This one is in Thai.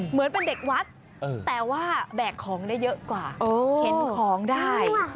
เหมือนเป็นเด็กวัดแต่ว่าแบกของได้เยอะกว่าเข็นของได้